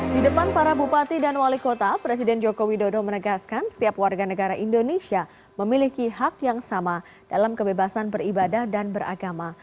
di depan para bupati dan wali kota presiden joko widodo menegaskan setiap warga negara indonesia memiliki hak yang sama dalam kebebasan beribadah dan beragama